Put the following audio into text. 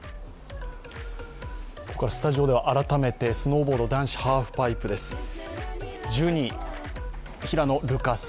スタジオでは改めて男子ハーフパイプです。